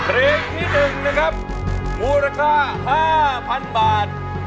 เพลงที่๑นะครับมูลค่า๕๐๐๐บาท